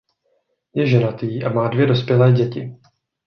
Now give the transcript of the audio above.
Je ženatý a má dvě dospělé děti.